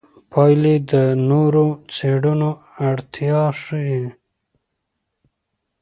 پایلې د نورو څېړنو اړتیا ښيي.